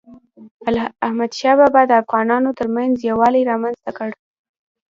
احمدشاه بابا د افغانانو ترمنځ یووالی رامنځته کړ.